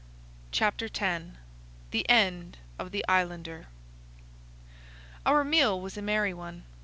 Chapter X The End of the Islander Our meal was a merry one.